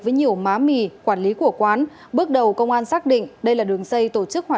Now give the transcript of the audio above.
xin chào và hẹn gặp lại trong các bản tin tiếp theo